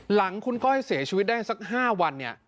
หลังคุณก้อยเสียชีวิตได้สัก๕วันเนี่ย